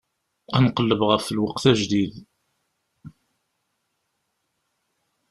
Ad nqelleb ɣef lweqt ajdid.